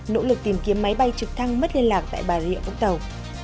nỗ lực tìm kiếm máy bay trực thăng mất liên lạc tại bà rịa vũng tàu